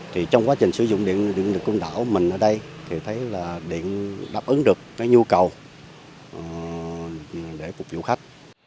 thì trong quá trình sử dụng điện côn đảo mình ở đây thì thấy là điện đáp ứng được cái nhu cầu để phục vụ khách